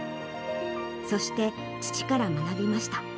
そして、父から学びました。